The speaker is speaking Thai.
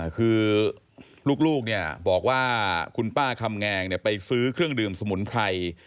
คือลูกบอกว่าคุณป้าคำแงงไปซื้อเครื่องดื่มสมุนไพร